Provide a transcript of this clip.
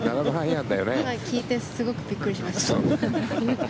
すごくびっくりしました。